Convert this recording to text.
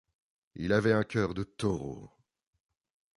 Il avait un cœur de taureau !